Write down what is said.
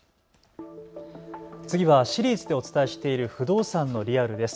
次はシリーズでお伝えしている不動産のリアルです。